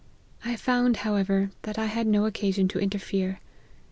I found, however, that I had no occasion to inter fere.